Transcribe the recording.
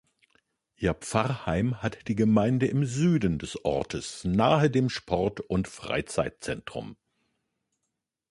Ihr Pfarrheim hat die Gemeinde im Süden des Ortes nahe dem Sport- und Freizeitzentrum.